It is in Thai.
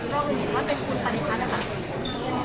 แล้วเป็นคนศาลิภัทธ์หรือเปล่า